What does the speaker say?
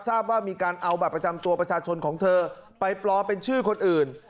ทราบว่ามีการเอาบัตรประจำตัวประชาชนของเธอไปปลอมเป็นชื่อคนอื่น